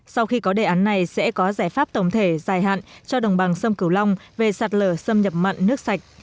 sau khi có đề án này sẽ có giải pháp tổng thể dài hạn cho đồng bằng sông cửu long về sạt lở xâm nhập mặn nước sạch